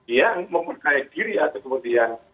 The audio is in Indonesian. yang memperkaya diri atau kemudian